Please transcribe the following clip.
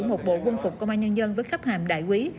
một bộ quân phục công an nhân dân với sắp hàm đại quý